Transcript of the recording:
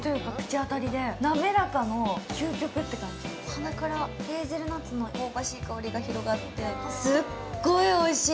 鼻からヘーゼルナッツの香りが広がってすごいおいしい。